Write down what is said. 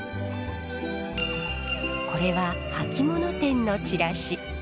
これは履物店のチラシ。